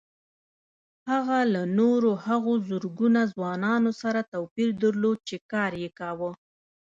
هغه له نورو هغو زرګونه ځوانانو سره توپير درلود چې کار يې کاوه.